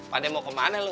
pak nitya mau ke mana lu